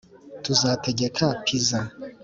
tuzategeka pizza